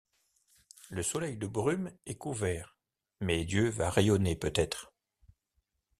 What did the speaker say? Le soleil de brume est couvert ; Mais Dieu va rayonner peut-être!